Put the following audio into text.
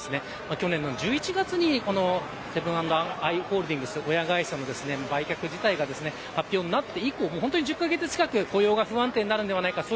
去年の１１月にセブン＆アイ・ホールディングス親会社の売却自体が発表になって以降、１０カ月近く雇用が不安定になるのではないか。